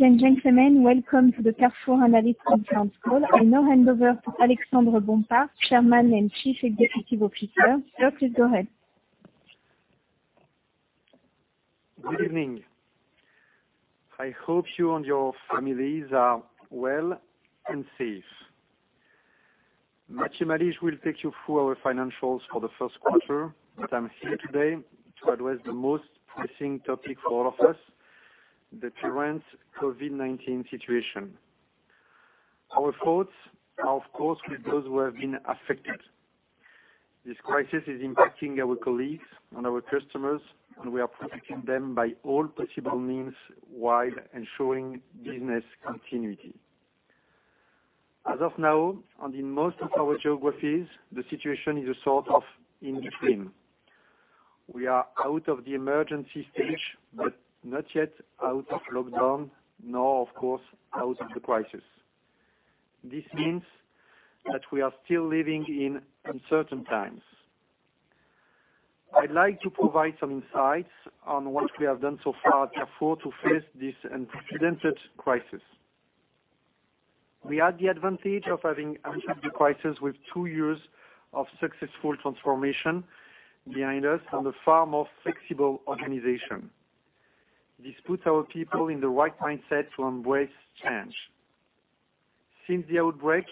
Ladies and gentlemen, welcome to the Carrefour Analyst Conference Call. I now hand over to Alexandre Bompard, Chairman and Chief Executive Officer. Sir, please go ahead. Good evening. I hope you and your families are well and safe. Matthieu Malige will take you through our financials for the first quarter, but I'm here today to address the most pressing topic for all of us, the current COVID-19 situation. Our thoughts are, of course, with those who have been affected. This crisis is impacting our colleagues and our customers, and we are protecting them by all possible means while ensuring business continuity. As of now, and in most of our geographies, the situation is a sort of in between. We are out of the emergency stage, but not yet out of lockdown, nor of course, out of the crisis. This means that we are still living in uncertain times. I'd like to provide some insights on what we have done so far at Carrefour to face this unprecedented crisis. We had the advantage of having entered the crisis with two years of successful transformation behind us, and a far more flexible organization. This puts our people in the right mindset to embrace change. Since the outbreak,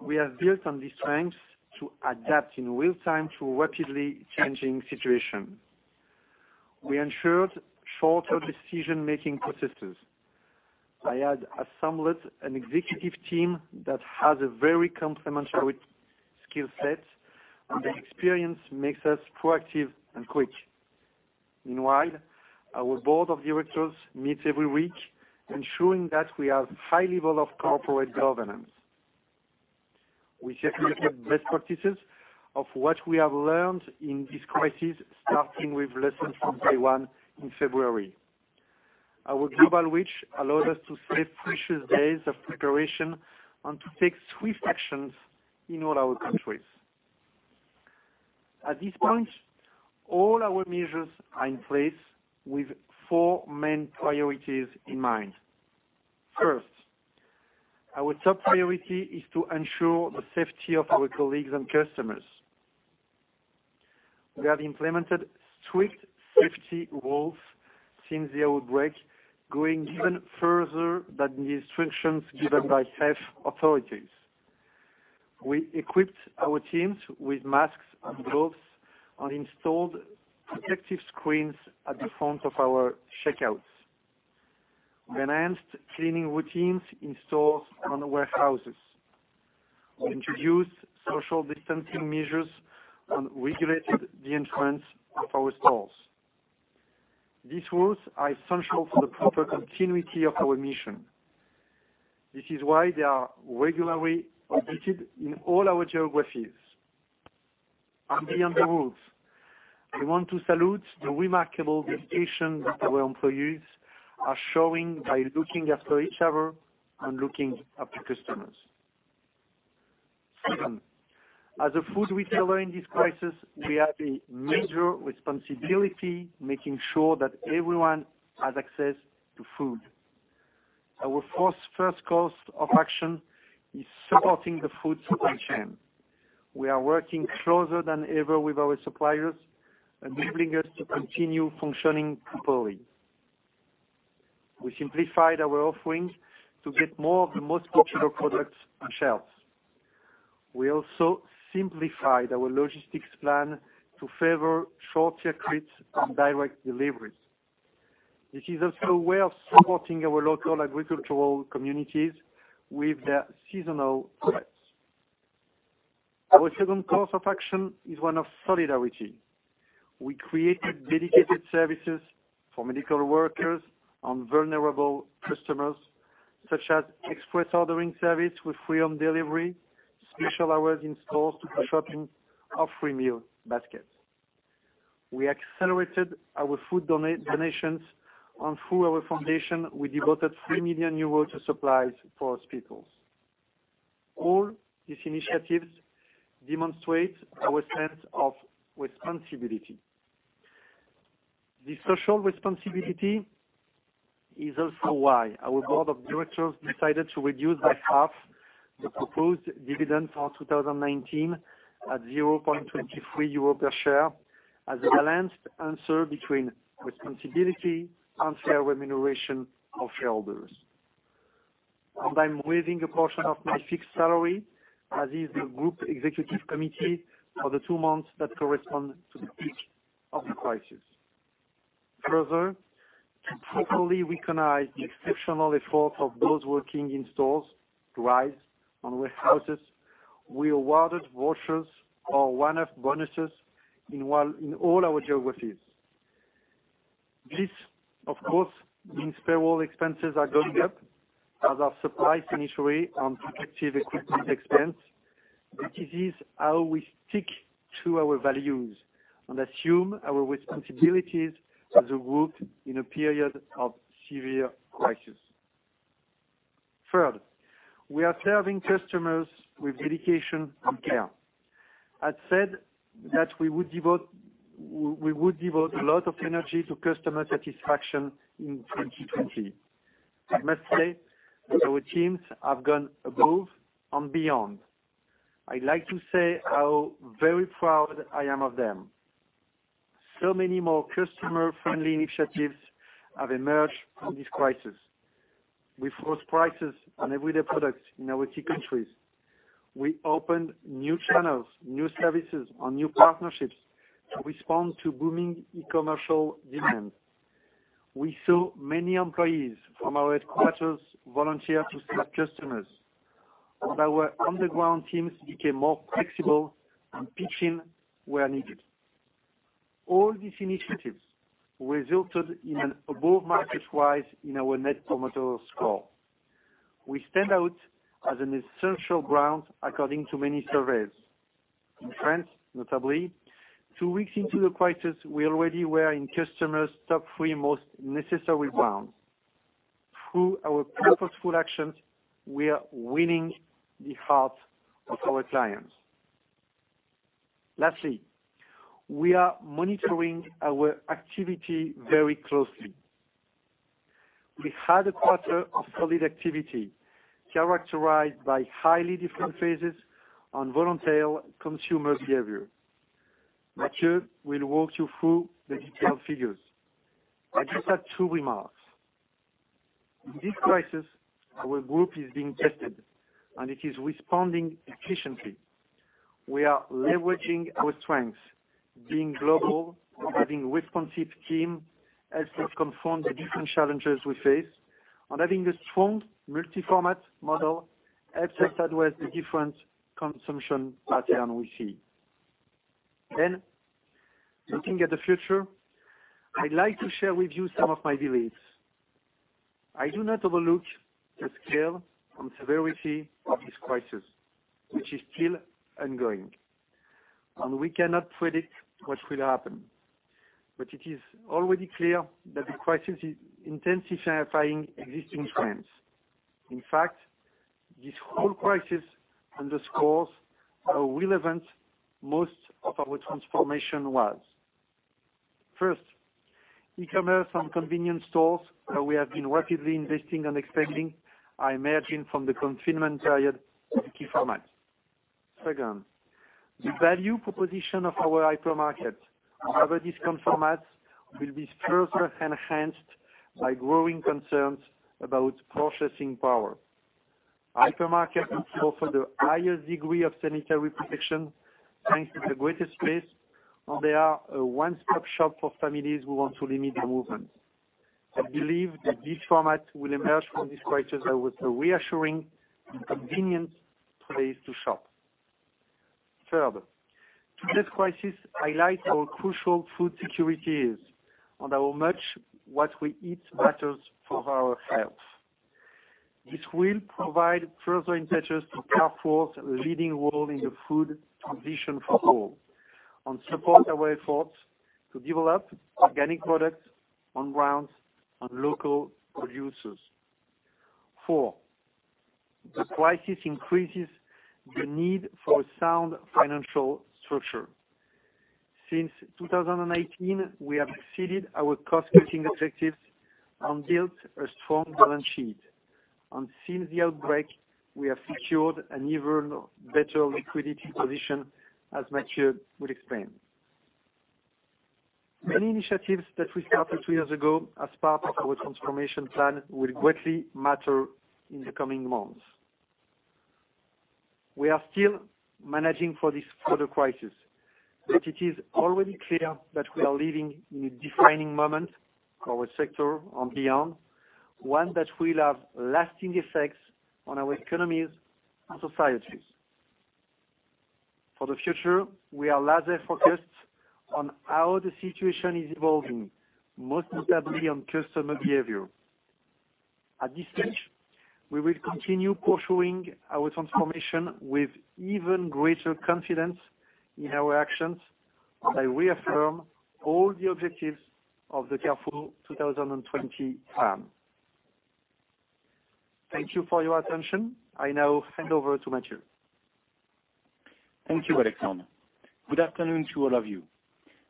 we have built on these strengths to adapt in real time to a rapidly changing situation. We ensured shorter decision-making processes. I had assembled an executive team that has a very complementary skill set, and the experience makes us proactive and quick. Meanwhile, our board of directors meets every week, ensuring that we have high level of corporate governance. We circulate the best practices of what we have learned in this crisis, starting with lessons from day one in February. Our global reach allowed us to save precious days of preparation and to take swift actions in all our countries. At this point, all our measures are in place with four main priorities in mind. First, our top priority is to ensure the safety of our colleagues and customers. We have implemented strict safety rules since the outbreak, going even further than the instructions given by health authorities. We equipped our teams with masks and gloves and installed protective screens at the front of our checkouts. We enhanced cleaning routines in stores and warehouses. We introduced social distancing measures and regulated the entrance of our stores. These rules are essential for the proper continuity of our mission. This is why they are regularly audited in all our geographies. Beyond the rules, we want to salute the remarkable dedication that our employees are showing by looking after each other and looking after customers. Second, as a food retailer in this crisis, we have a major responsibility, making sure that everyone has access to food. Our first course of action is supporting the food supply chain. We are working closer than ever with our suppliers, enabling us to continue functioning properly. We simplified our offerings to get more of the most popular products on shelves. We also simplified our logistics plan to favor shorter trips and direct deliveries. This is also a way of supporting our local agricultural communities with their seasonal products. Our second course of action is one of solidarity. We created dedicated services for medical workers and vulnerable customers, such as express ordering service with free home delivery, special hours in stores to do shopping, or free meal baskets. We accelerated our food donations and through our foundation, we devoted 3 million euros to supplies for hospitals. All these initiatives demonstrate our sense of responsibility. This social responsibility is also why our board of directors decided to reduce by half the proposed dividend for 2019 at 0.23 euro per share, as a balanced answer between responsibility and fair remuneration of shareholders. I'm waiving a portion of my fixed salary, as is the group executive committee, for the two months that correspond to the peak of the crisis. To properly recognize the exceptional effort of those working in stores, drives, and warehouses, we awarded vouchers or one-off bonuses in all our geographies. This, of course, means payroll expenses are going up as our supply circuitry and protective equipment expense, but it is how we stick to our values and assume our responsibilities as a group in a period of severe crisis. Third, we are serving customers with dedication and care. I said that we would devote a lot of energy to customer satisfaction in 2020. I must say that our teams have gone above and beyond. I'd like to say how very proud I am of them. So many more customer-friendly initiatives have emerged from this crisis. We froze prices on everyday products in our key countries. We opened new channels, new services, and new partnerships to respond to booming e-commercial demands. We saw many employees from our headquarters volunteer to serve customers, and our underground teams became more flexible in pitching where needed. All these initiatives resulted in an above-market rise in our Net Promoter Score. We stand out as an essential brand according to many surveys. In France, notably, two weeks into the crisis, we already were in customers' top three most necessary brands. Through our purposeful actions, we are winning the hearts of our clients. We are monitoring our activity very closely. We had a quarter of solid activity characterized by highly different phases and volatile consumer behavior. Matthieu will walk you through the detailed figures. I just have two remarks. In this crisis, our group is being tested, and it is responding efficiently. We are leveraging our strengths, being global and having a responsive team helps us confront the different challenges we face, and having a strong multi-format model helps us address the different consumption pattern we see. Looking at the future, I'd like to share with you some of my beliefs. I do not overlook the scale and severity of this crisis, which is still ongoing. We cannot predict what will happen. It is already clear that the crisis is intensifying existing trends. In fact, this whole crisis underscores how relevant most of our transformation was. First, e-commerce and convenience stores, where we have been rapidly investing and expanding, are emerging from the confinement period as key formats. Second, the value proposition of our hypermarket and other discount formats will be further enhanced by growing concerns about purchasing power. Hypermarkets offer the highest degree of sanitary protection, thanks to the greater space, and they are a one-stop shop for families who want to limit their movement. I believe that this format will emerge from this crisis as a reassuring and convenient place to shop. Third, today's crisis highlights how crucial food security is and how much what we eat matters for our health. This will provide further impetus to Carrefour's leading role in the food transition for all and support our efforts to develop organic products on grounds and local producers. Four, the crisis increases the need for a sound financial structure. Since 2018, we have exceeded our cost-cutting objectives and built a strong balance sheet. Since the outbreak, we have secured an even better liquidity position, as Matthieu will explain. Many initiatives that we started two years ago as part of our transformation plan will greatly matter in the coming months. We are still managing for this further crisis. It is already clear that we are living in a defining moment for our sector and beyond, one that will have lasting effects on our economies and societies. For the future, we are laser-focused on how the situation is evolving, most notably on customer behavior. At this stage, we will continue pursuing our transformation with even greater confidence in our actions and reaffirm all the objectives of the Carrefour 2020 plan. Thank you for your attention. I now hand over to Matthieu. Thank you, Alexandre. Good afternoon to all of you.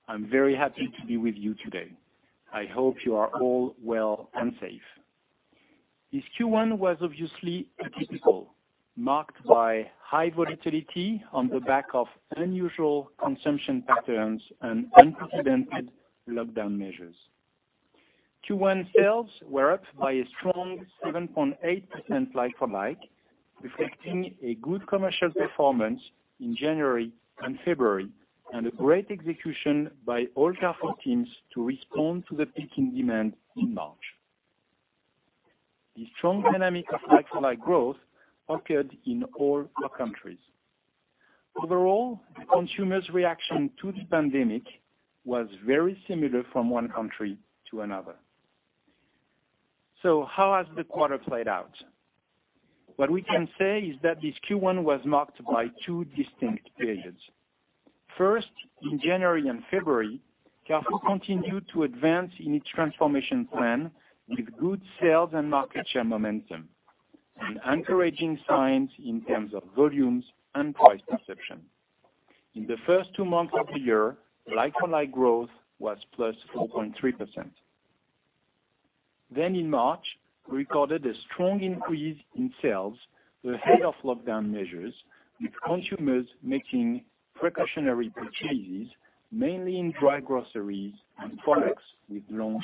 I am very happy to be with you today. I hope you are all well and safe. This Q1 was obviously atypical, marked by high volatility on the back of unusual consumption patterns and unprecedented lockdown measures. Q1 sales were up by a strong 7.8% like-for-like, reflecting a good commercial performance in January and February and a great execution by all Carrefour teams to respond to the peak in demand in March. The strong dynamic of like-for-like growth occurred in all our countries. Overall, the consumers' reaction to this pandemic was very similar from one country to another. How has the quarter played out? What we can say is that this Q1 was marked by two distinct periods. First, in January and February, Carrefour continued to advance in its transformation plan with good sales and market share momentum and encouraging signs in terms of volumes and price perception. In the first two months of the year, like-for-like growth was plus 4.3%. In March, we recorded a strong increase in sales ahead of lockdown measures, with consumers making precautionary purchases, mainly in dry groceries and products with long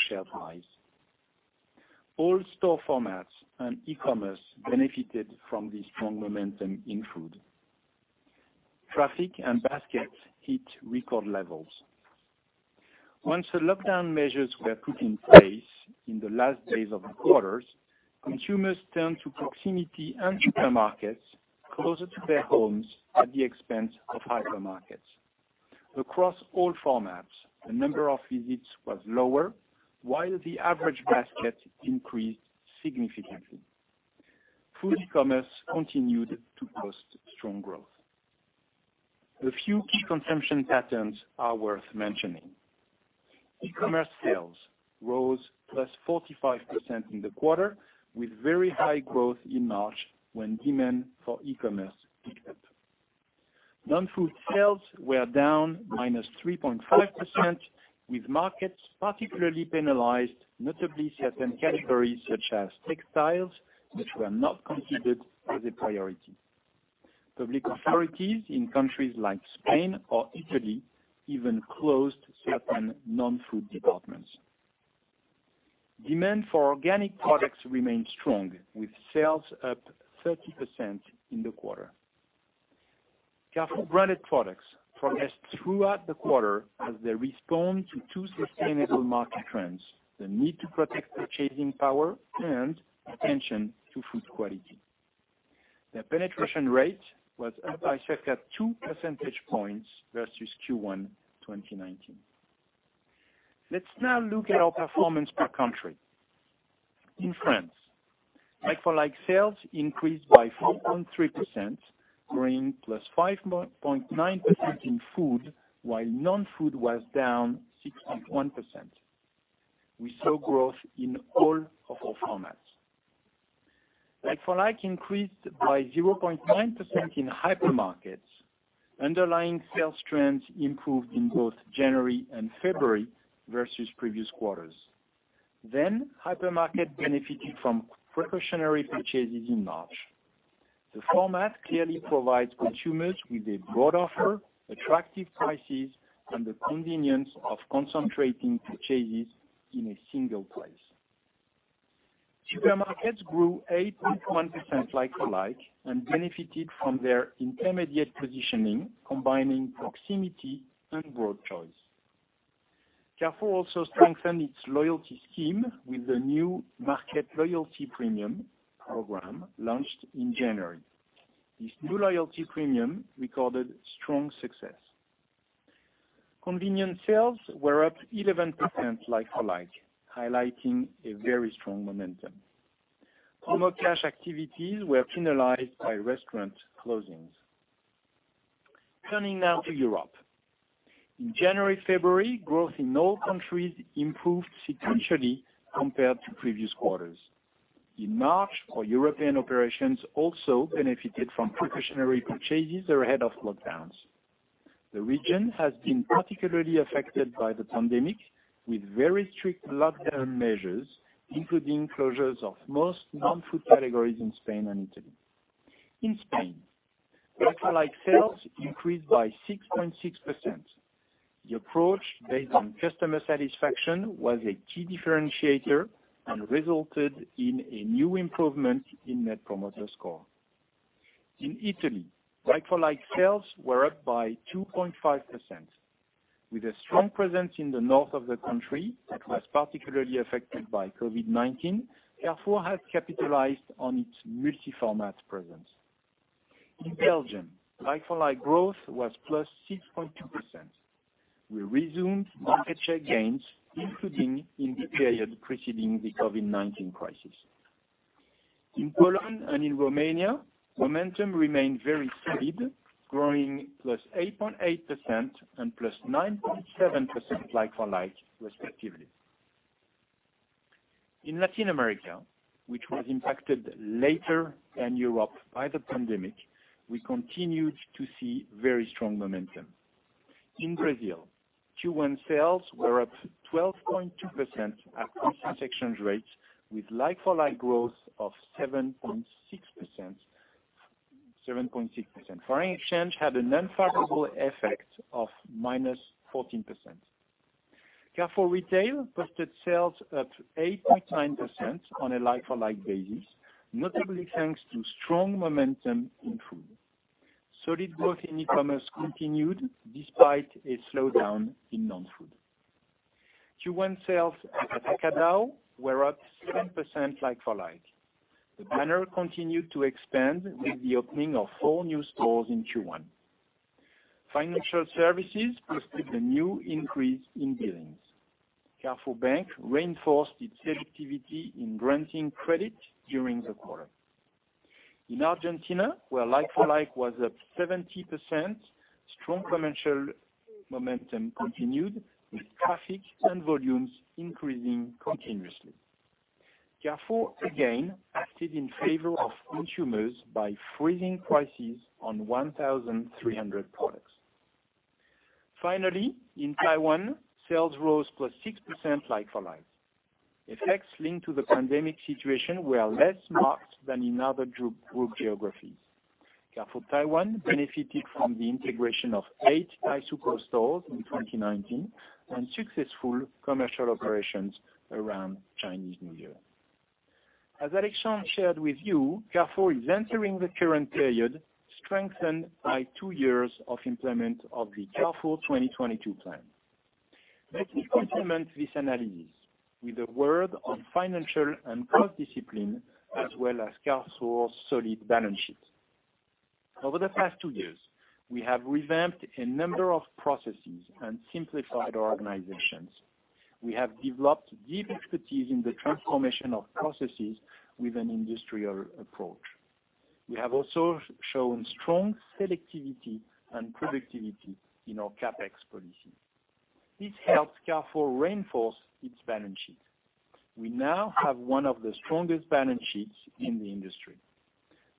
shelf lives. All store formats and e-commerce benefited from this strong momentum in food. Traffic and baskets hit record levels. Once the lockdown measures were put in place in the last days of the quarter, consumers turned to proximity and supermarkets closer to their homes at the expense of hypermarkets. Across all formats, the number of visits was lower, while the average basket increased significantly. Food e-commerce continued to post strong growth. A few key consumption patterns are worth mentioning. E-commerce sales rose plus 45% in the quarter, with very high growth in March, when demand for e-commerce peaked. Non-food sales were down minus 3.5%, with markets particularly penalized, notably certain categories such as textiles, which were not considered as a priority. Public authorities in countries like Spain or Italy even closed certain non-food departments. Demand for organic products remained strong, with sales up 30% in the quarter. Carrefour branded products progressed throughout the quarter as they respond to two sustainable market trends, the need to protect purchasing power and attention to food quality. Their penetration rate was up by two percentage points versus Q1 2019. Let's now look at our performance per country. In France, like-for-like sales increased by 4.3%, growing +5.9% in food, while non-food was down 6.1%. We saw growth in all of our formats. Like-for-like increased by 0.9% in hypermarkets. Underlying sales trends improved in both January and February versus previous quarters. Hypermarket benefited from precautionary purchases in March. The format clearly provides consumers with a broad offer, attractive prices, and the convenience of concentrating purchases in a single place. Supermarkets grew 8.1% like-for-like and benefited from their intermediate positioning, combining proximity and broad choice. Carrefour also strengthened its loyalty scheme with the new market loyalty premium program launched in January. This new loyalty premium recorded strong success. Convenience sales were up 11% like-for-like, highlighting a very strong momentum. Promocash activities were penalized by restaurant closings. Turning now to Europe. In January, February, growth in all countries improved sequentially compared to previous quarters. In March, our European operations also benefited from precautionary purchases ahead of lockdowns. The region has been particularly affected by the pandemic, with very strict lockdown measures, including closures of most non-food categories in Spain and Italy. In Spain, like-for-like sales increased by 6.6%. The approach based on customer satisfaction was a key differentiator and resulted in a new improvement in Net Promoter Score. In Italy, like-for-like sales were up by 2.5%. With a strong presence in the north of the country that was particularly affected by COVID-19, Carrefour has capitalized on its multi-format presence. In Belgium, like-for-like growth was +6.2%. We resumed market share gains, including in the period preceding the COVID-19 crisis. In Poland and in Romania, momentum remained very solid, growing +8.8% and +9.7% like-for-like, respectively. In Latin America, which was impacted later than Europe by the pandemic, we continued to see very strong momentum. In Brazil, Q1 sales were up 12.2% at constant exchange rates, with like-for-like growth of 7.6%. Foreign exchange had an unfavorable effect of -14%. Carrefour Retail posted sales up 8.9% on a like-for-like basis, notably thanks to strong momentum in food. Solid growth in e-commerce continued despite a slowdown in non-food. Q1 sales at Atacadão were up 7% like-for-like. The banner continued to expand with the opening of four new stores in Q1. Financial services posted a new increase in billings. Carrefour Banque reinforced its activity in granting credit during the quarter. In Argentina, where like-for-like was up 70%, strong commercial momentum continued, with traffic and volumes increasing continuously. Carrefour again acted in favor of consumers by freezing prices on 1,300 products. In Taiwan, sales rose +6% like-for-like. Effects linked to the pandemic situation were less marked than in other group geographies. Carrefour Taiwan benefited from the integration of eight Wellcome stores in 2019, and successful commercial operations around Chinese New Year. As Alexandre shared with you, Carrefour is entering the current period strengthened by two years of employment of the Carrefour 2022 plan. Let me complement this analysis with a word on financial and cost discipline, as well as Carrefour's solid balance sheet. Over the past two years, we have revamped a number of processes and simplified our organizations. We have developed deep expertise in the transformation of processes with an industrial approach. We have also shown strong selectivity and productivity in our CapEx policy. This helps Carrefour reinforce its balance sheet. We now have one of the strongest balance sheets in the industry.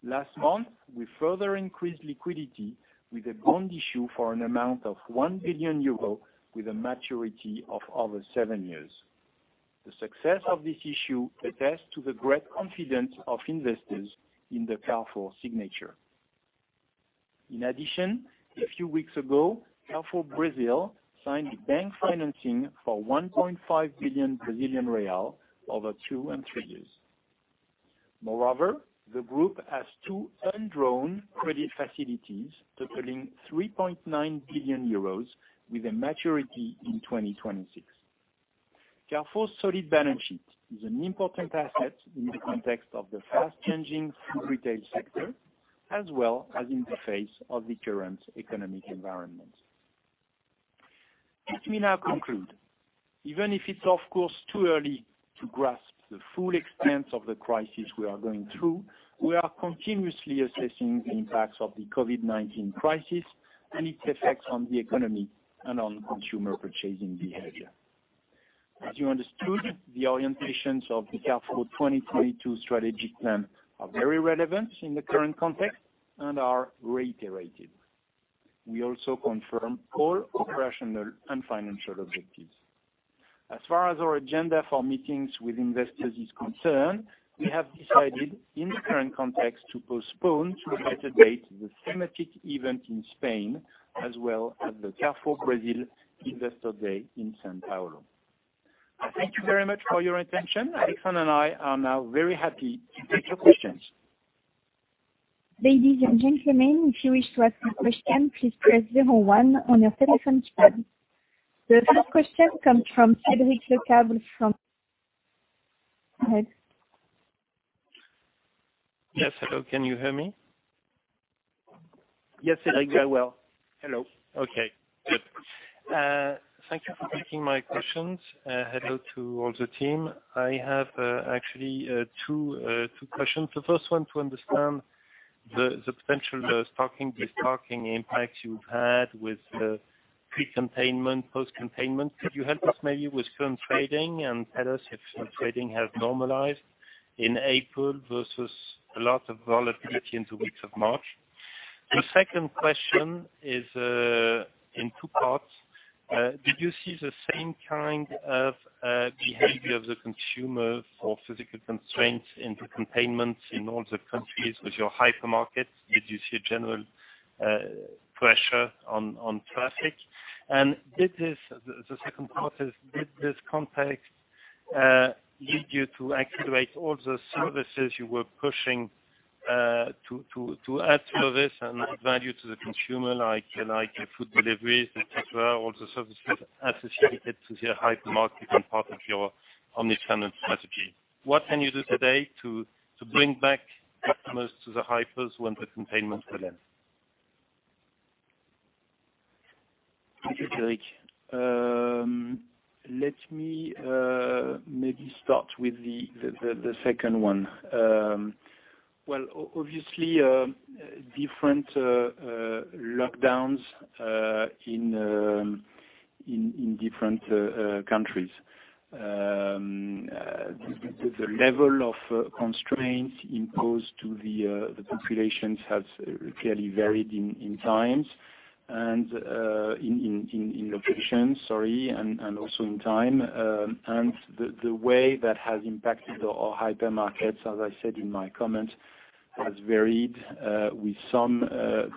Last month, we further increased liquidity with a bond issue for an amount of 1 billion euro, with a maturity of over seven years. The success of this issue attests to the great confidence of investors in the Carrefour signature. A few weeks ago, Carrefour Brazil signed a bank financing for 1.5 billion Brazilian real over two and three years. The group has two undrawn credit facilities totaling 3.9 billion euros, with a maturity in 2026. Carrefour's solid balance sheet is an important asset in the context of the fast-changing food retail sector, as well as in the face of the current economic environment. Let me now conclude. Even if it's, of course, too early to grasp the full extent of the crisis we are going through, we are continuously assessing the impacts of the COVID-19 crisis and its effects on the economy and on consumer purchasing behavior. As you understood, the orientations of the Carrefour 2022 Strategy Plan are very relevant in the current context and are reiterated. We also confirm all operational and financial objectives. As far as our agenda for meetings with investors is concerned, we have decided, in the current context, to postpone to a later date the thematic event in Spain, as well as the Carrefour Brazil Investor Day in São Paulo. Thank you very much for your attention. Alexandre and I are now very happy to take your questions. Ladies and gentlemen, if you wish to ask a question, please press 01 on your telephone keypad. The first question comes from Cédric Lecasble from Stifel. Go ahead. Yes, hello. Can you hear me? Yes, Cédric, very well. Okay, good. Thank you for taking my questions. Hello to all the team. I have, actually, two questions. The first one to understand the potential stocking, de-stocking impact you've had with the pre-containment, post-containment. Could you help us maybe with current trading and tell us if current trading has normalized in April versus a lot of volatility in the weeks of March? The second question is in two parts. Did you see the same kind of behavior of the consumer for physical constraints into containments in all the countries with your hypermarket? Did you see a general pressure on traffic? The second part is, did this context lead you to activate all the services you were pushing to add service and add value to the consumer, like food deliveries, et cetera, all the services associated with your hypermarket and part of your omni-channel strategy? What can you do today to bring back customers to the hypers when the containments end? Thank you, Cédric. Let me maybe start with the second one. Well, obviously, different lockdowns in different countries. The level of constraints imposed to the populations has clearly varied in locations and also in time. The way that has impacted our hypermarkets, as I said in my comments, has varied, with some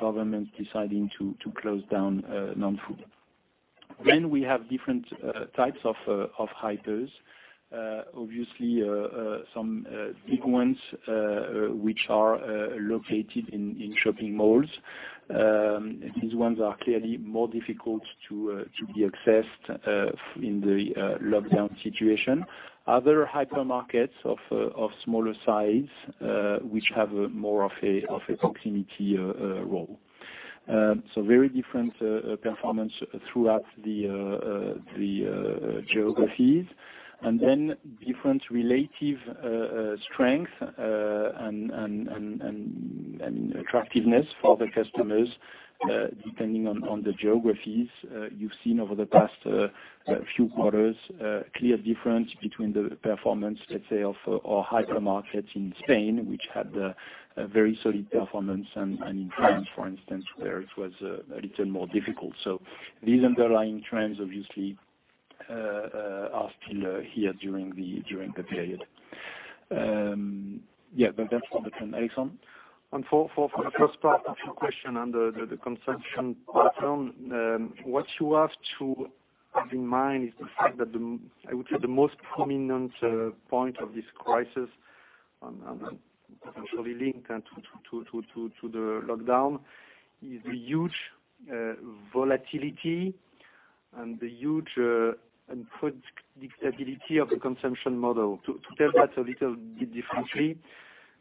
governments deciding to close down non-food. We have different types of hypers. Obviously, some big ones, which are located in shopping malls. These ones are clearly more difficult to be accessed in the lockdown situation. Other hypermarkets of smaller size, which have more of a proximity role. Very different performance throughout the geographies, and different relative strength and attractiveness for the customers, depending on the geographies. You've seen over the past few quarters, a clear difference between the performance, let's say, of our hypermarket in Spain, which had a very solid performance, and in France, for instance, where it was a little more difficult. These underlying trends obviously are still here during the period. Yeah, but that's for the trend. Alexandre? For the first part of your question on the consumption pattern, what you have to have in mind is the fact that, I would say the most prominent point of this crisis, and potentially linked to the lockdown, is the huge volatility and the huge unpredictability of the consumption model. To tell that a little bit differently,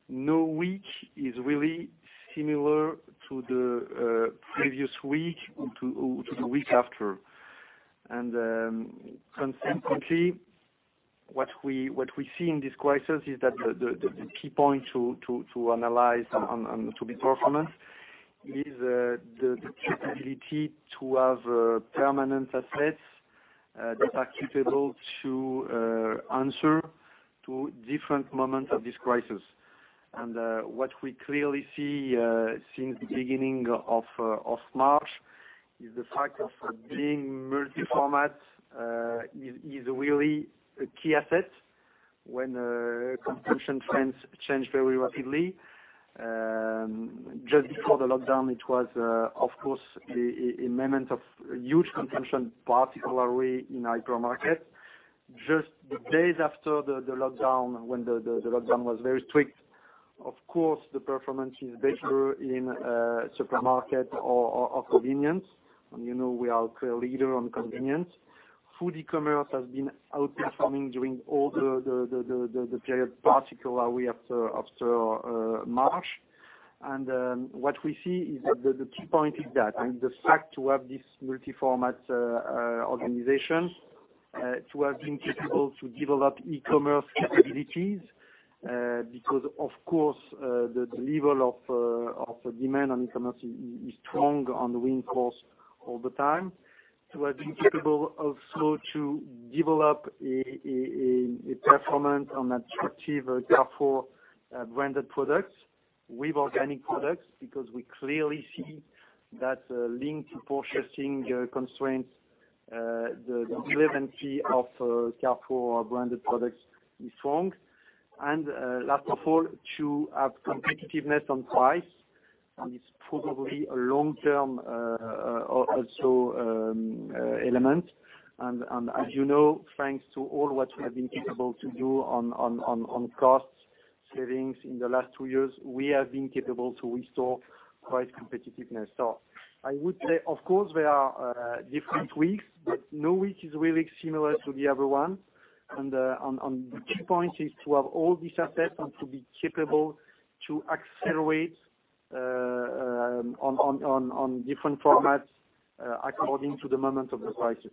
no week is really similar to the previous week or to the week after. Consequently, what we see in this crisis is that the key point to analyze and to be performant is the capability to have permanent assets that are capable to answer to different moments of this crisis. What we clearly see since the beginning of March is the fact of being multi-format is really a key asset when consumption trends change very rapidly. Just before the lockdown, it was, of course, a moment of huge consumption, particularly in hypermarket. Just the days after the lockdown, when the lockdown was very strict, of course, the performance is better in supermarket or convenience, and you know we are clear leader on convenience. Food e-commerce has been outperforming during all the period, particularly after March. What we see is that the key point is that, and the fact to have this multi-format organization to have been capable to develop e-commerce capabilities, because of course, the level of demand on e-commerce is strong and growing for us all the time. To have been capable also to develop a performant and attractive Carrefour-branded products with organic products, because we clearly see that linked to purchasing constraints, the relevancy of Carrefour-branded products is strong. Last of all, to have competitiveness on price, and it's probably a long-term also element. As you know, thanks to all what we have been capable to do on cost savings in the last two years, we have been capable to restore price competitiveness. I would say, of course, there are different weeks, but no week is really similar to the other one. The key point is to have all these assets and to be capable to accelerate on different formats according to the moment of the crisis.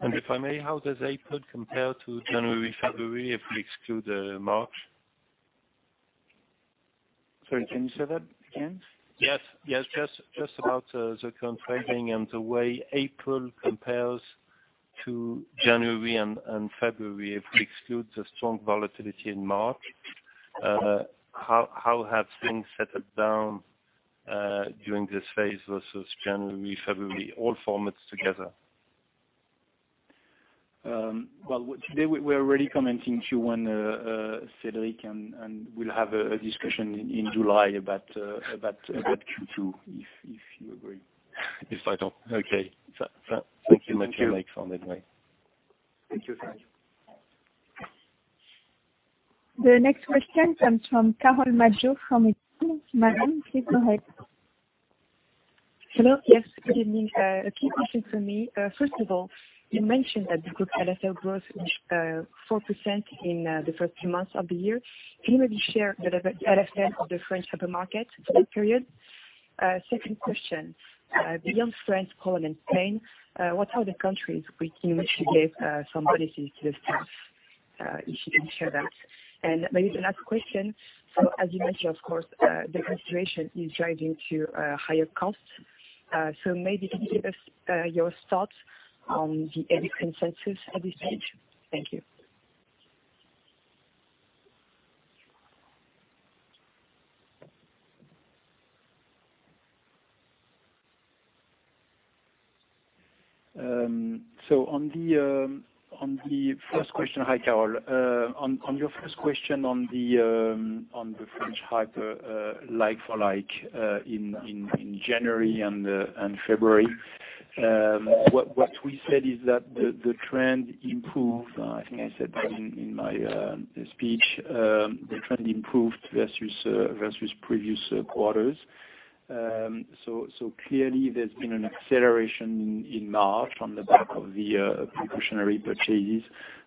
If I may, how does April compare to January, February, if we exclude March? Sorry, can you say that again? Yes. Just about the contrasting and the way April compares to January and February, if we exclude the strong volatility in March, how have things settled down during this phase versus January, February, all formats together? Well, today, we're already commenting Q1, Cédric. We'll have a discussion in July about Q2, if you agree. Yes, I don't. Okay. Thank you much, Alexandre. Thank you. Thank you, Cédric. The next question comes from Carole Madjo from Exane. Madame, please go ahead. Hello. Yes, good evening. A few questions from me. First of all, you mentioned that the group LFL growth is 4% in the first two months of the year. Can you maybe share the LFL of the French supermarket for that period? Second question, beyond France, Poland, and Spain, what are the countries in which you gave some bonuses to the staff, if you can share that? Maybe the last question, as you mentioned, of course, the consideration is driving to higher costs. Maybe can you give us your thoughts on the consensus at this stage? Thank you. On the first question, hi, Carole. On your first question on the French hyper like-for-like in January and February. What we said is that the trend improved. I think I said that in my speech. The trend improved versus previous quarters. Clearly, there's been an acceleration in March on the back of the precautionary purchases,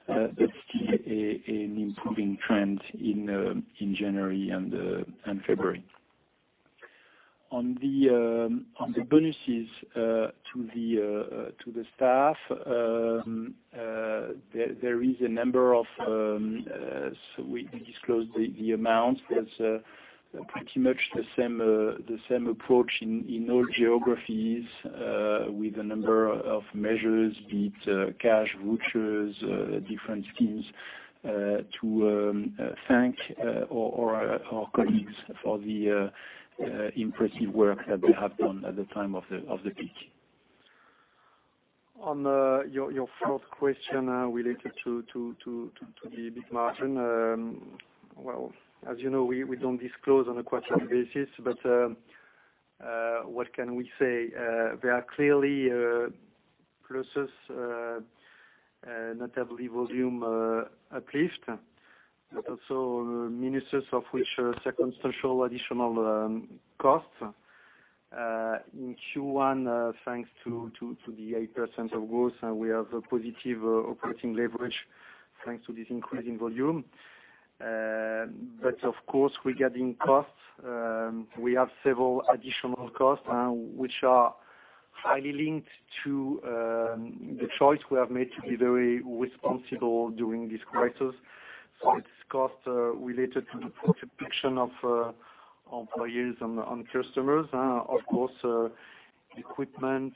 but still an improving trend in January and February. On the bonuses to the staff, there is a number of, we disclose the amounts. There's pretty much the same approach in all geographies with a number of measures, be it cash vouchers, different things, to thank our colleagues for the impressive work that they have done at the time of the peak. On your fourth question related to the big margin. Well, as you know, we don't disclose on a quarterly basis, but what can we say? There are clearly pluses, notably volume uplift, also minuses, of which circumstantial additional costs. In Q1, thanks to the 8% of growth, we have a positive operating leverage thanks to this increase in volume. Of course, regarding costs, we have several additional costs which are highly linked to the choice we have made to be very responsible during this crisis. It's costs related to the protection of employees and customers. Of course, equipment,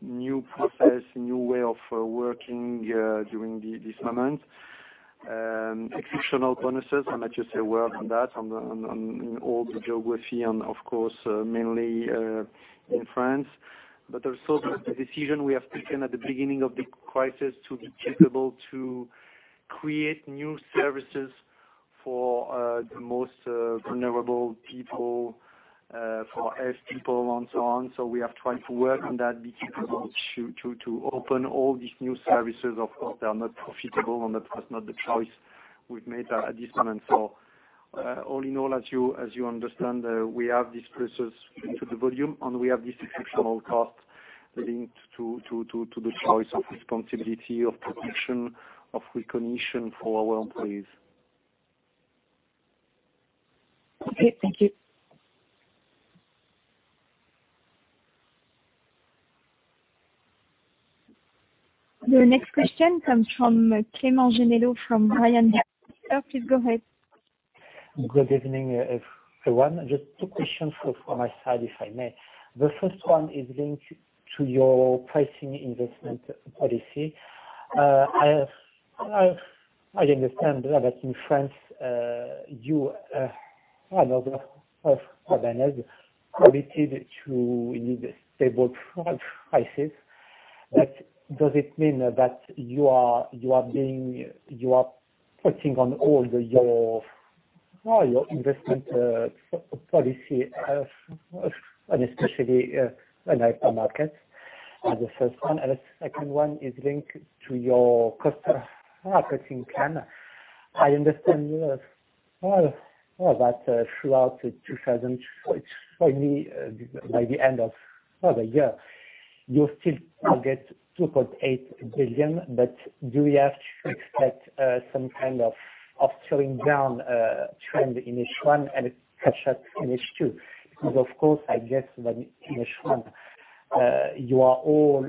new process, new way of working during this moment. Exceptional bonuses, I might just say one word on that, in all the geography and of course, mainly in France. Also the decision we have taken at the beginning of the crisis to be capable to create new services for the most vulnerable people, for S people and so on. We have tried to work on that, be capable to open all these new services. Of course, they are not profitable, and that was not the choice we've made at this moment. All in all, as you understand, we have these pluses into the volume, and we have these exceptional costs linked to the choice of responsibility, of protection, of recognition for our employees. Okay, thank you. The next question comes from Clément Genelot from Bryan Garnier. Please go ahead. Good evening, everyone. Just two questions from my side, if I may. The first one is linked to your pricing investment policy. I understand that in France, you have committed to stable prices. Does it mean that you are putting on all your investment policy, and especially in hypermarket? That's the first one. The second one is linked to your cost-cutting plan. I understand that throughout 2024, by the end of the year, you'll still get 2.8 billion. Do we have to expect some kind of slowing down trend in H1 and catch up in H2? Of course, I guess that in H1, you are all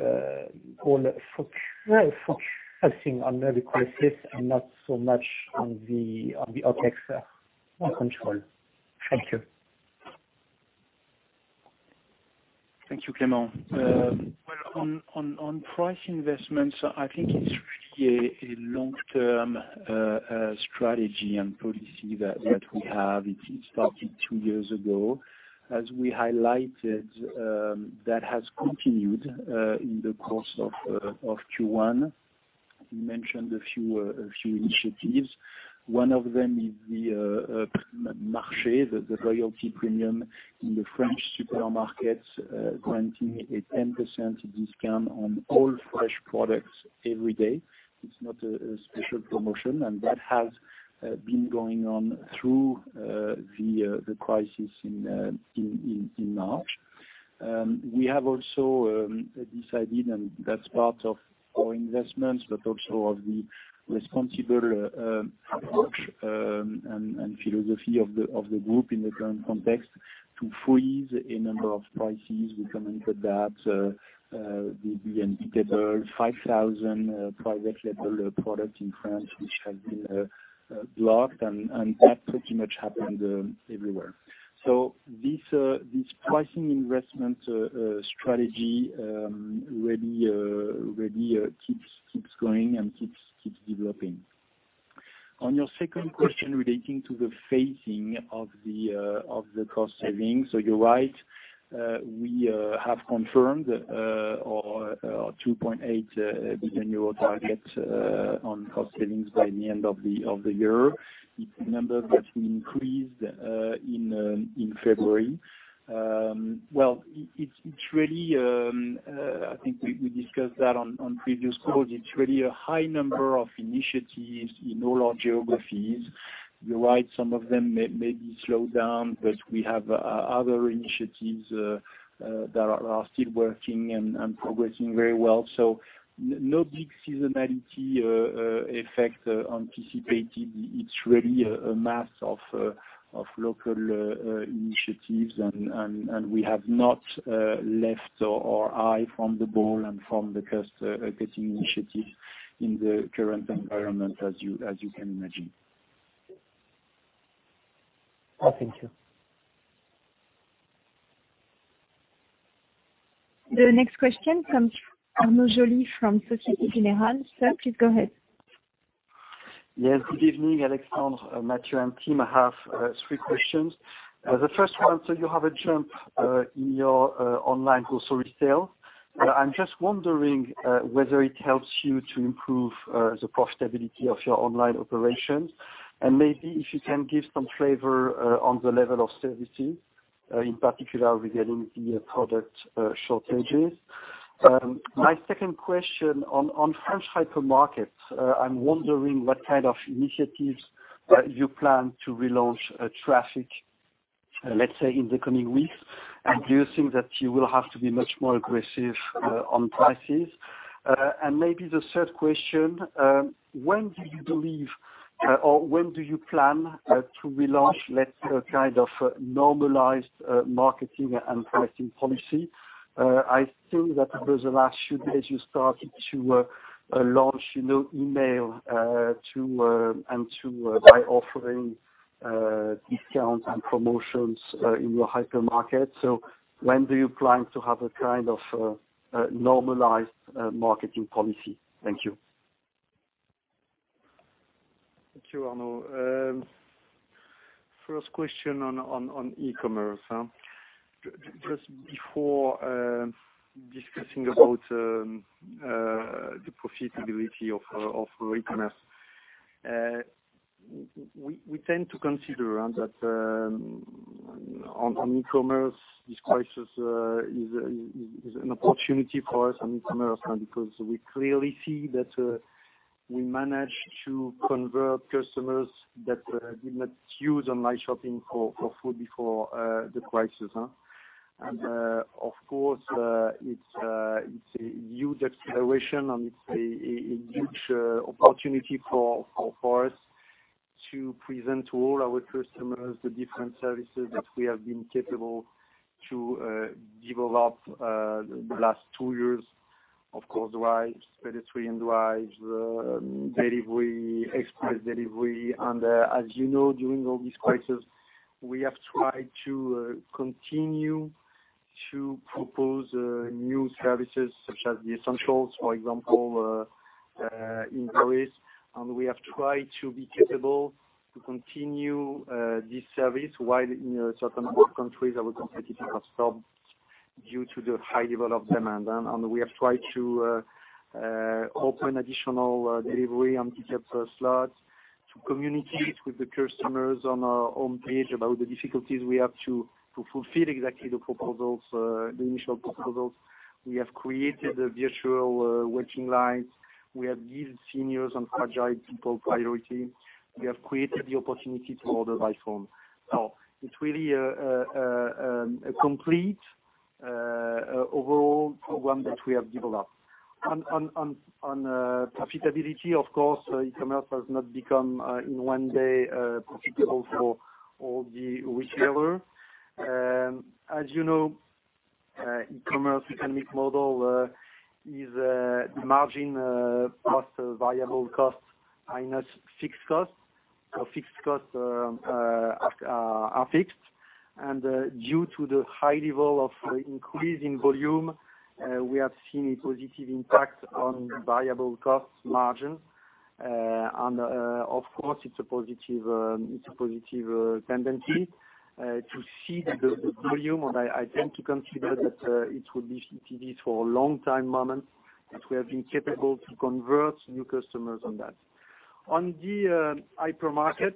focusing on the crisis and not so much on the OpEx control. Thank you. Thank you, Clément. Well, on price investments, I think it's really a long-term strategy and policy that we have. It started two years ago. As we highlighted, that has continued in the course of Q1. We mentioned a few initiatives. One of them is the Prime Marché, the loyalty premium in the French supermarkets, granting a 10% discount on all fresh products every day. It's not a special promotion, and that has been going on through the crisis in March. We have also decided, and that's part of our investments, but also of the responsible approach and philosophy of the group in the current context, to freeze a number of prices. We commented that the indicator 5,000 private label products in France, which have been blocked, and that pretty much happened everywhere. This pricing investment strategy really keeps going and keeps developing. On your second question relating to the phasing of the cost savings. You're right, we have confirmed our 2.8 billion euro target on cost savings by the end of the year. It's a number that we increased in February. Well, I think we discussed that on previous calls. It's really a high number of initiatives in all our geographies. You're right, some of them may slow down, but we have other initiatives that are still working and progressing very well. No big seasonality effect anticipated. It's really a mass of local initiatives, and we have not taken our eye off the ball and from the cost-cutting initiatives in the current environment, as you can imagine. Thank you. The next question comes from Arnaud Joly from Société Générale. Sir, please go ahead. Good evening, Alexandre, Matthieu, and team. I have three questions. The first one, you have a jump in your online grocery sales. I'm just wondering whether it helps you to improve the profitability of your online operations, and maybe if you can give some flavor on the level of services, in particular regarding the product shortages. My second question on French hypermarkets, I'm wondering what kind of initiatives you plan to relaunch traffic, let's say, in the coming weeks. Do you think that you will have to be much more aggressive on prices? Maybe the third question, when do you believe, or when do you plan to relaunch let's kind of normalize marketing and pricing policy? I think that over the last few days, you started to launch email by offering discounts and promotions in your hypermarket. When do you plan to have a kind of normalized marketing policy? Thank you. Thank you, Arnaud. First question on e-commerce. Just before discussing about the profitability of e-commerce, we tend to consider that on e-commerce, this crisis is an opportunity for us on e-commerce, because we clearly see that we managed to convert customers that did not use online shopping for food before the crisis. Of course, it's a huge acceleration, and it's a huge opportunity for us to present to all our customers the different services that we have been capable to develop the last two years, of course, Drive, pedestrian Drive, delivery, express delivery. As you know, during all this crisis, we have tried to continue to propose new services such as the essentials, for example, in Paris. We have tried to be capable to continue this service while in a certain number of countries our competitors have stopped due to the high level of demand. We have tried to open additional delivery and pick-up slots to communicate with the customers on our home page about the difficulties we have to fulfill exactly the initial proposals. We have created virtual waiting lines. We have given seniors and fragile people priority. We have created the opportunity to order by phone. It's really a complete overall program that we have developed. On profitability, of course, e-commerce has not become, in one day, profitable for all the retailers. As you know, e-commerce economic model is the margin plus variable costs minus fixed costs, so fixed costs are fixed. Due to the high level of increase in volume, we have seen a positive impact on variable costs margins. Of course, it's a positive tendency to see the volume, and I tend to consider that it will be for a long time moment that we have been capable to convert new customers on that. On the hypermarket,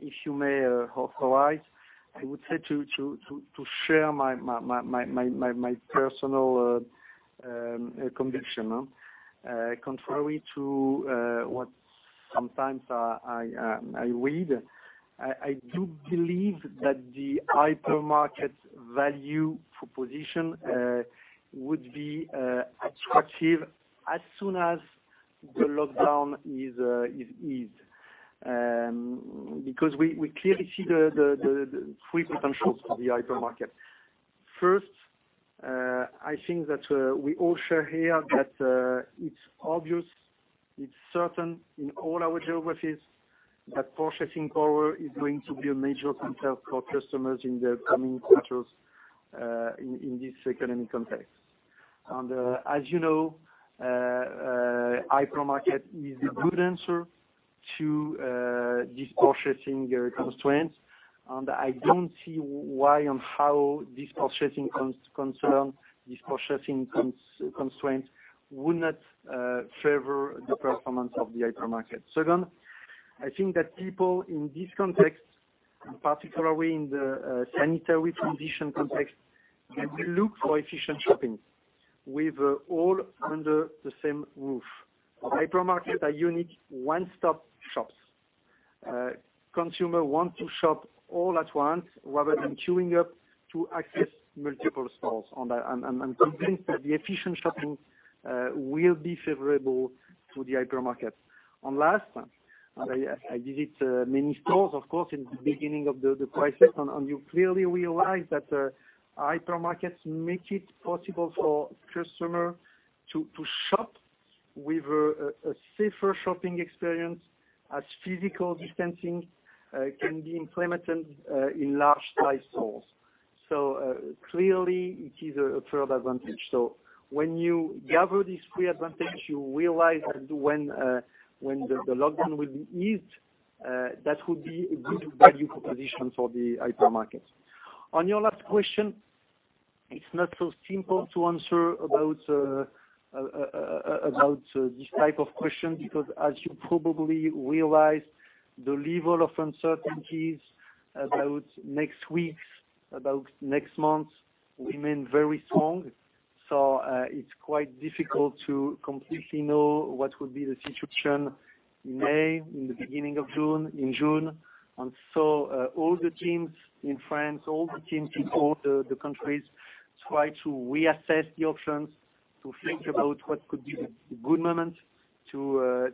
if you may authorize, I would say to share my personal conviction. Contrary to what sometimes I read, I do believe that the hypermarket value proposition would be attractive as soon as the lockdown is eased, because we clearly see the three potentials for the hypermarket. First, I think that we all share here that it's obvious, it's certain in all our geographies that purchasing power is going to be a major concern for customers in the coming quarters in this economic context. As you know, hypermarket is the good answer to this price constraint. I don't see why and how this purchasing concern, this purchasing constraint would not favor the performance of the hypermarket. Second, I think that people in this context and particularly in the sanitary transition context, they will look for efficient shopping with all under the same roof. Hypermarkets are unique one-stop shops. Consumers want to shop all at once rather than queuing up to access multiple stores. I'm convinced that the efficient shopping will be favorable to the hypermarket. Last, I visit many stores, of course, in the beginning of the crisis, and you clearly realize that hypermarkets make it possible for customers to shop with a safer shopping experience as physical distancing can be implemented in large size stores. Clearly, it is a third advantage. When you gather these three advantages, you realize that when the lockdown will be eased, that would be a good value proposition for the hypermarket. On your last question, it's not so simple to answer about this type of question because as you probably realize, the level of uncertainties about next weeks, about next months, remain very strong. It's quite difficult to completely know what would be the situation in May, in the beginning of June, in June. All the teams in France, all the teams in all the countries, try to reassess the options to think about what could be the good moment to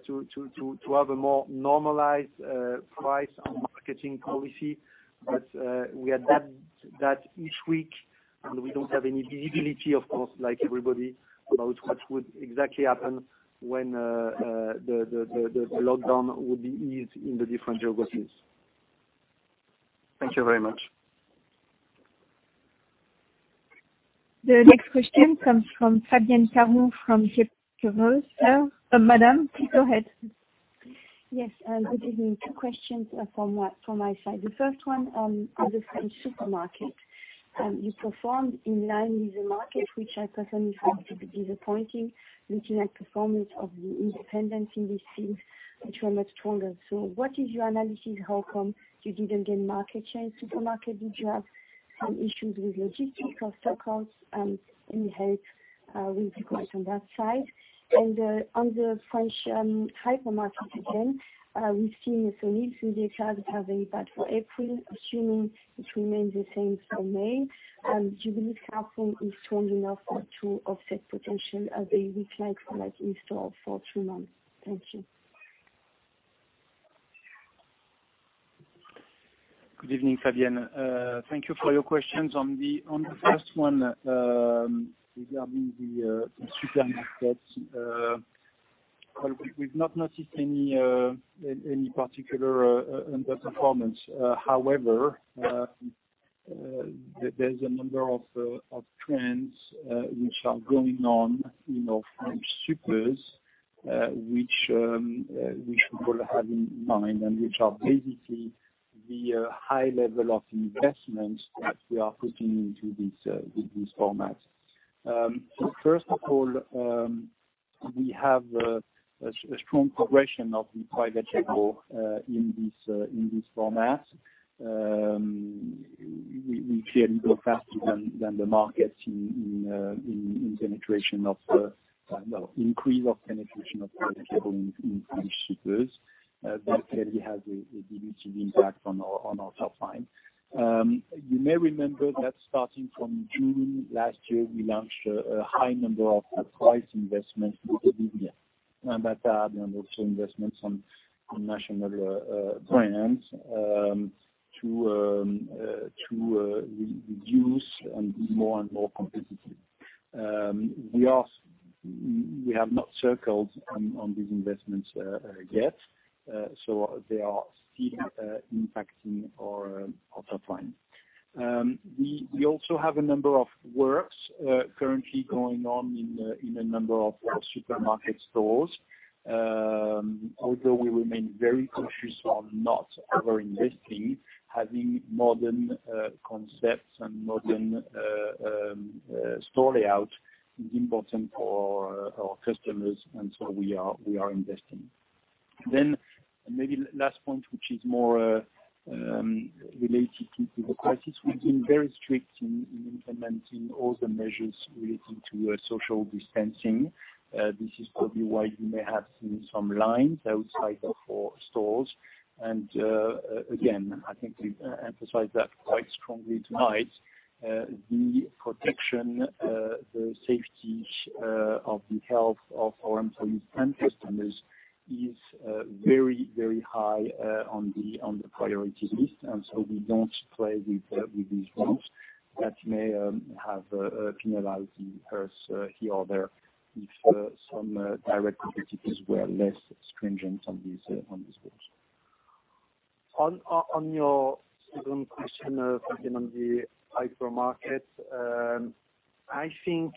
have a more normalized price and marketing policy. We adapt that each week, and we don't have any visibility, of course, like everybody, about what would exactly happen when the lockdown would be eased in the different geographies. Thank you very much. The next question comes from Fabienne Caron from Kepler Cheuvreux. Madam, please go ahead. Yes, good evening. Two questions from my side. The first one on the French supermarket. You performed in line with the market, which I personally found to be disappointing, looking at performance of the independents in this scene, which were much stronger. What is your analysis? How come you didn't gain market share in supermarket? Did you have some issues with logistics or stock ups, any help will be quite on that side. On the French hypermarket again, we've seen a Sony through their cloud having bad for April, assuming it remains the same for May. Do you believe Carrefour is strong enough to offset potential a weak like-for-like install for two months? Thank you. Good evening, Fabienne. Thank you for your questions. On the first one, regarding the supermarkets, we've not noticed any particular underperformance. However, there's a number of trends which are going on in our French supers, which we should all have in mind and which are basically the high level of investments that we are putting into these formats. First of all, we have a strong progression of the private label, in this format. We clearly go faster than the markets in increase of penetration of private label in French supers. That clearly has a dilutive impact on our top line. You may remember that starting from June last year, we launched a high number of price investments with the and also investments on national brands to reduce and be more and more competitive. We have not circled on these investments yet. They are still impacting our top line. We also have a number of works currently going on in a number of our supermarket stores. Although we remain very conscious of not over-investing, having modern concepts and modern store layout is important for our customers, we are investing. Maybe last point, which is more related to the crisis. We've been very strict in implementing all the measures relating to social distancing. This is probably why you may have seen some lines outside of our stores. Again, I think we emphasize that quite strongly tonight. The protection, the safety of the health of our employees and customers is very, very high on the priorities list. We don't play with these rules that may have penalized us here or there if some direct competitors were less stringent on these rules. On your second question, Fabienne, on the hypermarket, I think,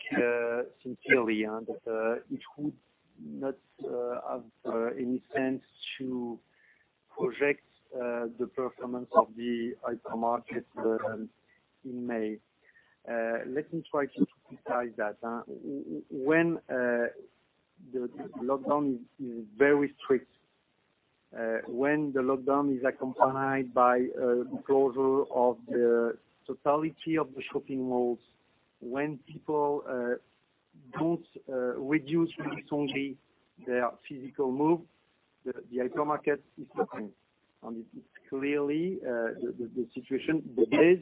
sincerely, that it would not have any sense to project the performance of the hypermarket in May. Let me try to synthesize that. The lockdown is very strict. The lockdown is accompanied by a closure of the totality of the shopping malls, when people don't reduce very strongly their physical move, the hypermarket is suffering, and it's clearly the situation the days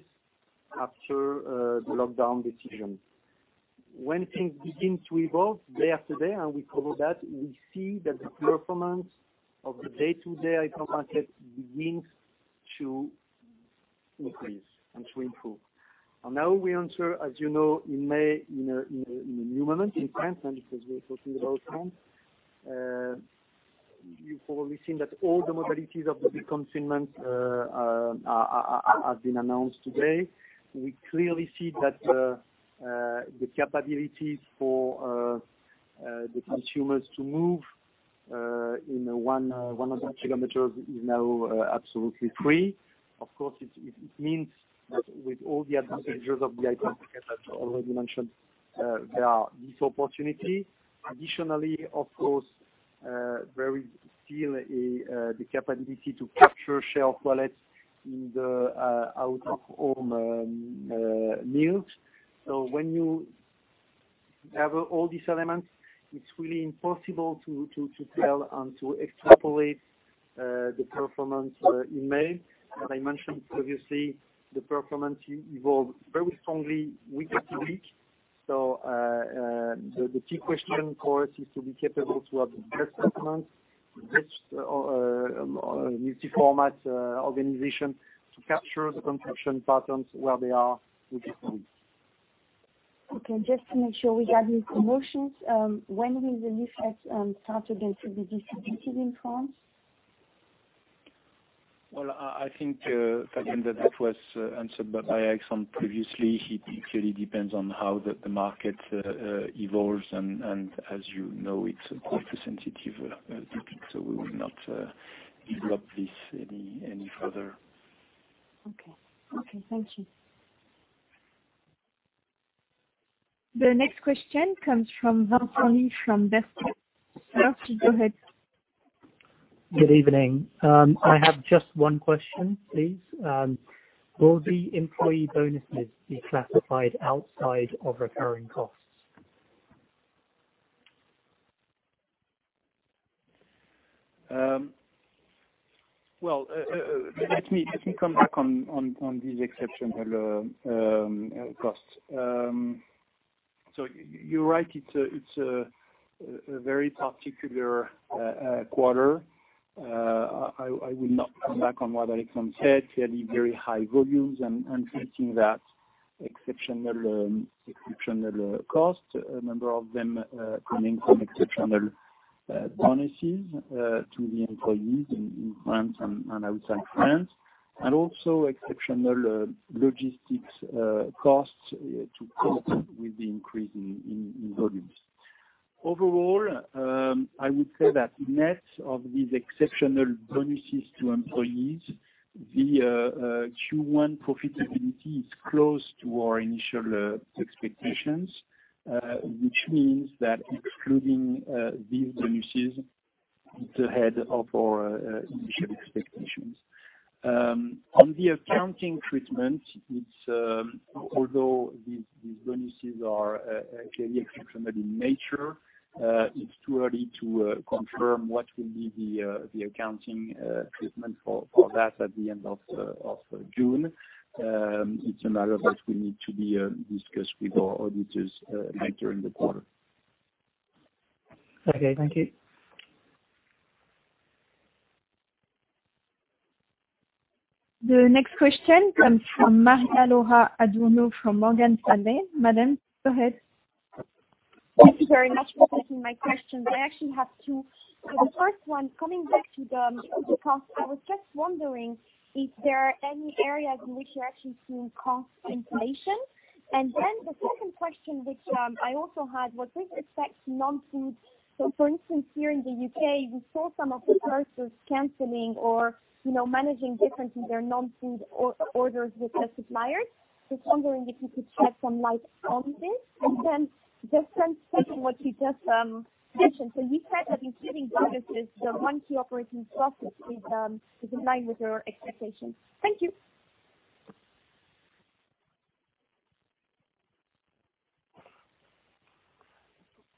after the lockdown decision. Things begin to evolve day after day, and we cover that, we see that the performance of the day-to-day hypermarket begins to increase and to improve. Now we enter, as you know, in May, in a new moment in France, and because we're talking about France, you've probably seen that all the modalities of the deconfinement have been announced today. We clearly see that the capabilities for the consumers to move in a 100 km is now absolutely free. Of course, it means that with all the advantages of the hypermarket that you already mentioned, there are this opportunity. Additionally, of course, there is still the capability to capture share of wallet in the out-of-home meals. When you have all these elements, it's really impossible to tell and to extrapolate the performance in May. As I mentioned previously, the performance evolved very strongly week after week. The key question for us is to be capable to have the best performance, the best multi-format organization to capture the consumption patterns where they are, week after week. Okay. Just to make sure regarding promotions, when will the new sets start again to be distributed in France? Well, I think, Fabienne, that that was answered by Alexandre previously. It clearly depends on how the market evolves, and as you know, it's quite a sensitive topic, so we will not develop this any further. Okay. Thank you. The next question comes from Val Tony from Bestar. Sir, go ahead. Good evening. I have just one question, please. Will the employee bonuses be classified outside of recurring costs? Let me come back on these exceptional costs. You're right, it's a very particular quarter. I will not come back on what Alexandre said. Clearly very high volumes and reflecting that exceptional cost, a number of them coming from exceptional bonuses to the employees in France and outside France, and also exceptional logistics costs to cope with the increase in volumes. Overall, I would say that net of these exceptional bonuses to employees, the Q1 profitability is close to our initial expectations, which means that excluding these bonuses, it's ahead of our initial expectations. On the accounting treatment, although these bonuses are clearly exceptional in nature, it's too early to confirm what will be the accounting treatment for that at the end of June. It's a matter that we need to discuss with our auditors later in the quarter. Okay, thank you. The next question comes from Maria-Laura Adurno from Morgan Stanley. Madam, go ahead. Thank you very much for taking my question. I actually have two. The first one, coming back to the cost, I was just wondering if there are any areas in which you're actually seeing cost inflation. The second question which I also had, with respect to non-food, for instance, here in the U.K., we saw some of the suppliers canceling or managing differently their non-food orders with the suppliers. Just wondering if you could shed some light on this. The second question, what you just mentioned. You said that including bonuses, the monthly operating profit is in line with your expectations. Thank you.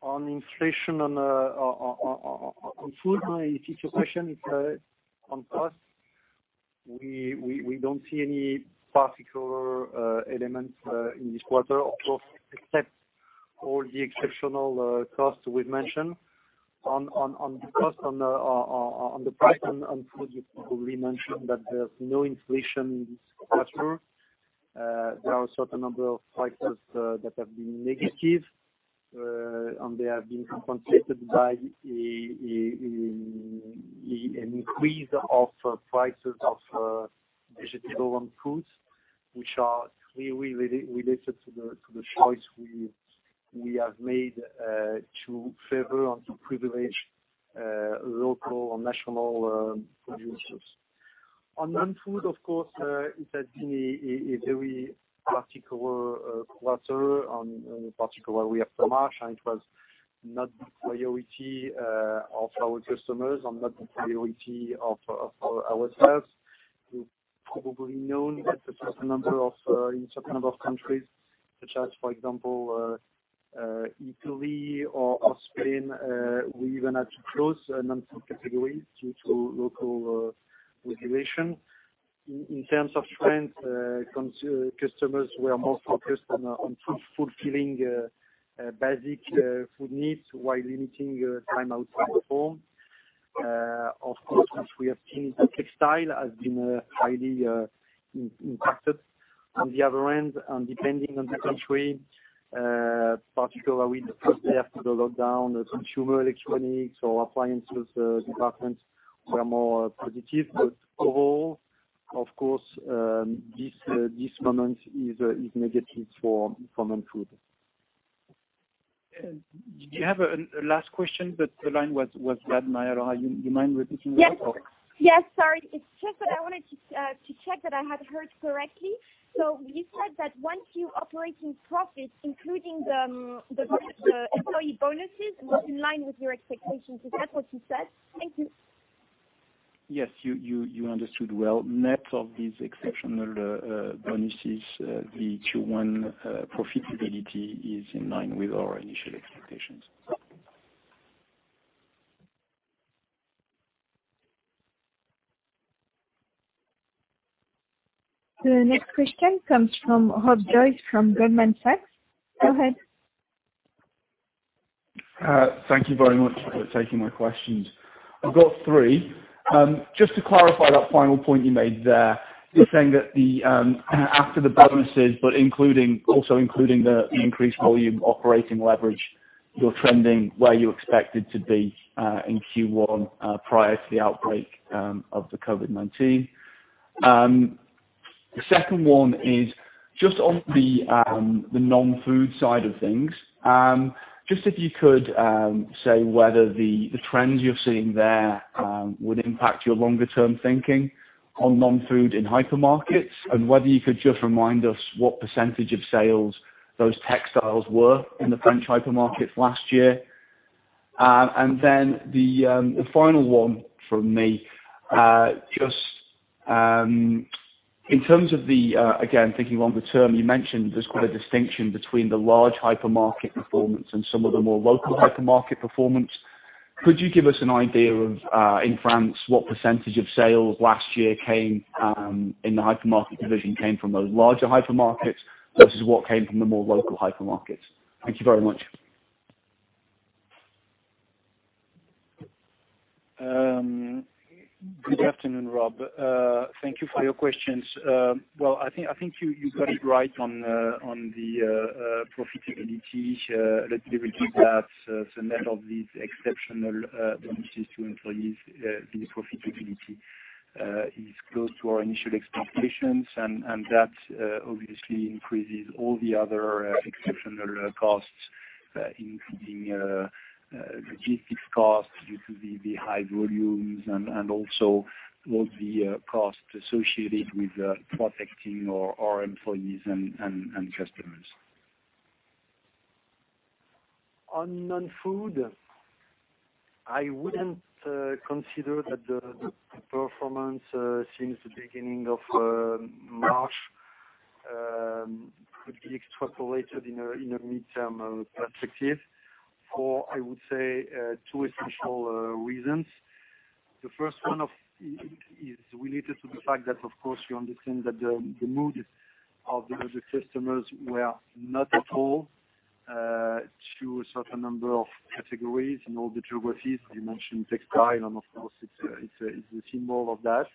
On inflation on food, if it's your question, it's on cost. We don't see any particular elements in this quarter, of course, except all the exceptional costs we've mentioned. On the cost, on the price and on food, as we mentioned, that there's no inflation in this quarter. There are a certain number of prices that have been negative, and they have been compensated by an increase of prices of vegetable and fruits, which are clearly related to the choice we have made to favor and to privilege local or national producers. On non-food, of course, it has been a very particular quarter, and particularly after March, and it was not the priority of our customers and not the priority of ourselves. You probably know that a certain number of countries, such as, for example, Italy or Spain, we even had to close non-food categories due to local regulation. In terms of trends, customers were more focused on fulfilling basic food needs while limiting time outside the home. Of course, as we have seen, the textile has been highly impacted on the other end. Depending on the country, particularly in the first day after the lockdown, the consumer electronics or appliances departments were more positive. Overall, of course, this moment is negative for non-food. Do you have a last question, but the line was bad, Maya, or do you mind repeating that? Yes. Sorry. It's just that I wanted to check that I had heard correctly. You said that once you operate in profit, including the employee bonuses, was in line with your expectations. Is that what you said? Thank you. Yes, you understood well. Net of these exceptional bonuses, the Q1 profitability is in line with our initial expectations. The next question comes from Rob Joyce from Goldman Sachs. Go ahead. Thank you very much for taking my questions. I've got three. To clarify that final point you made there, you're saying that after the bonuses, but also including the increased volume operating leverage, you're trending where you expected to be in Q1 prior to the outbreak of the COVID-19. The second one is just on the non-food side of things. If you could say whether the trends you're seeing there would impact your longer-term thinking on non-food in hypermarkets, and whether you could just remind us what percentage of sales those textiles were in the French hypermarkets last year. The final one from me, just in terms of the, again, thinking longer term, you mentioned there's quite a distinction between the large hypermarket performance and some of the more local hypermarket performance. Could you give us an idea of, in France, what percentage of sales last year in the hypermarket division came from those larger hypermarkets versus what came from the more local hypermarkets? Thank you very much. Good afternoon, Rob. Thank you for your questions. Well, I think you got it right on the profitability. Let me repeat that. The net of these exceptional bonuses to employees, the profitability is close to our initial expectations, and that obviously increases all the other exceptional costs, including logistics costs due to the high volumes and also all the costs associated with protecting our employees and customers. On non-food, I wouldn't consider that the performance since the beginning of March could be extrapolated in a midterm perspective for, I would say, two essential reasons. The first one is related to the fact that, of course, you understand that the mood of the customers were not at all to a certain number of categories in all the geographies. You mentioned textile, of course, it's a symbol of that.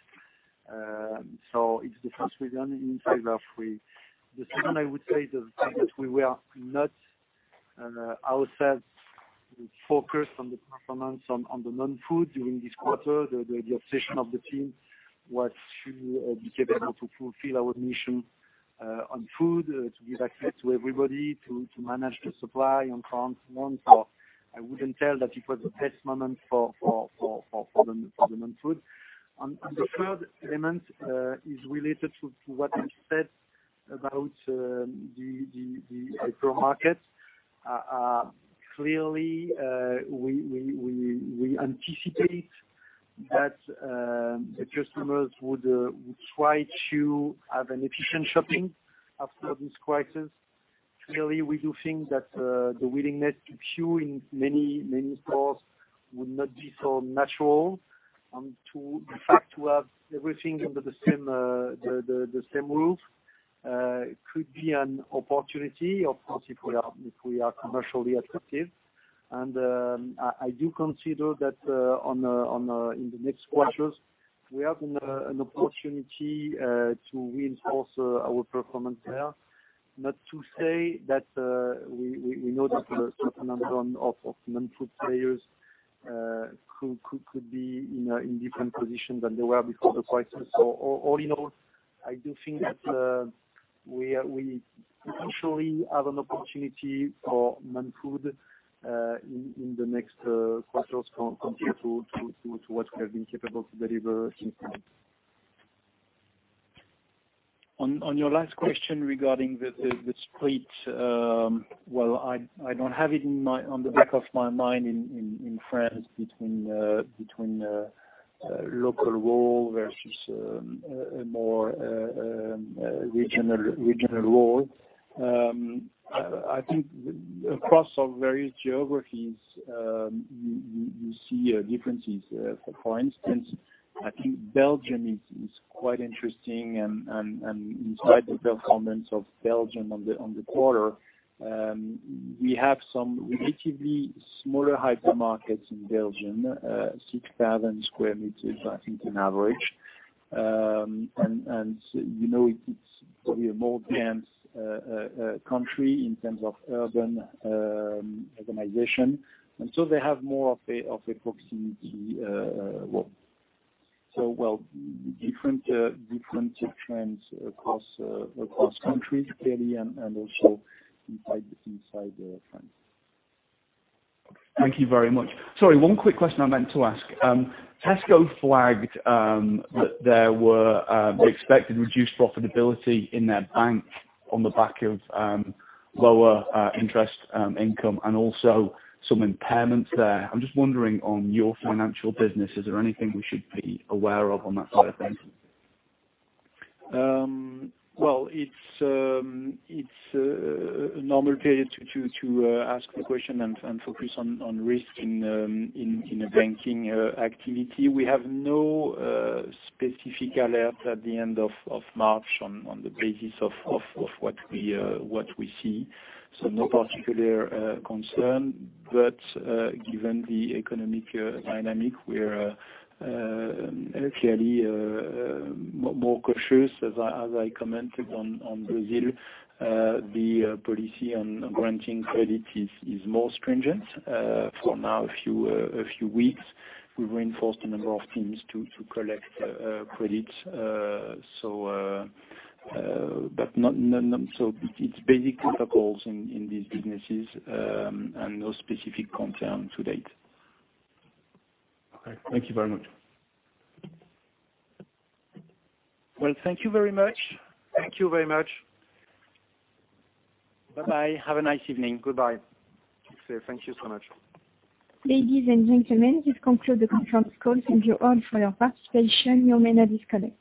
It's the first reason in favor of we. The second, I would say, is the fact that we were not ourselves focused on the performance on the non-food during this quarter. The obsession of the team was to be capable to fulfill our mission on food, to give access to everybody, to manage the supply on France one. I wouldn't tell that it was the best moment for the non-food. The third element is related to what you said about the hypermarket. Clearly, we anticipate that the customers would try to have an efficient shopping after this crisis. Clearly, we do think that the willingness to queue in many stores would not be so natural, and the fact to have everything under the same roof could be an opportunity, of course, if we are commercially attractive. I do consider that in the next quarters, we have an opportunity to reinforce our performance there. Not to say that we know that a certain number of non-food players could be in different positions than they were before the crisis. I do think that we potentially have an opportunity for Carrefour in the next quarters compared to what we have been capable to deliver since now. On your last question regarding the split, well, I don't have it on the back of my mind in France between local role versus a more regional role. I think across our various geographies, you see differences. For instance, I think Belgium is quite interesting and despite the comments of Belgium on the quarter, we have some relatively smaller hypermarkets in Belgium, 6,000 sq m, I think, in average. You know it's probably a more dense country in terms of urban organization, and so they have more of a proximity role. Different trends across countries, clearly, and also inside France. Thank you very much. Sorry, one quick question I meant to ask. Tesco flagged that they expected reduced profitability in their bank on the back of lower interest income and also some impairments there. I'm just wondering on your financial business, is there anything we should be aware of on that side of things? Well, it's a normal period to ask the question and focus on risk in a banking activity. We have no specific alert at the end of March on the basis of what we see. No particular concern, but given the economic dynamic, we're clearly more cautious, as I commented on Brazil, the policy on granting credit is more stringent. For now, a few weeks, we reinforced a number of teams to collect credits. It's basic protocols in these businesses and no specific concern to date. Okay. Thank you very much. Well, thank you very much. Thank you very much. Bye-bye. Have a nice evening. Goodbye. Thank you so much. Ladies and gentlemen, this concludes the conference call. Thank you all for your participation. You may now disconnect.